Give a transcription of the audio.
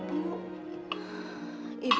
ibu berharap sama kamu